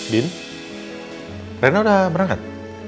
din rena udah berangkat